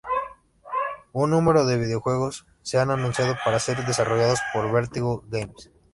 Un número de videojuegos se han anunciado para ser desarrollados por Vertigo Games.